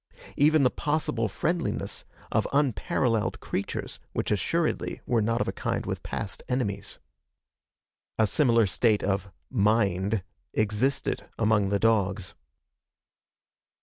Even the possible friendliness of unparalleled creatures which assuredly were not of a kind with past enemies. A similar state of "mind" existed among the dogs.